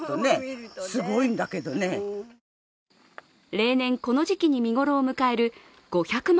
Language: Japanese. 例年、この時季に見ごろを迎える５００万